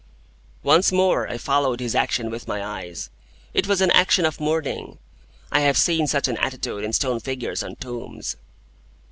Once more I followed his action with my eyes. It was an action of mourning. I have seen such an attitude in stone figures on tombs.